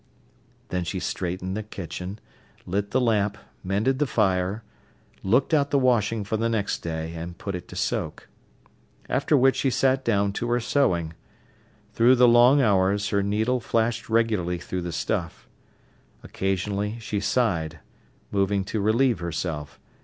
Then she straightened the kitchen, lit the lamp, mended the fire, looked out the washing for the next day, and put it to soak. After which she sat down to her sewing. Through the long hours her needle flashed regularly through the stuff. Occasionally she sighed, moving to relieve herself.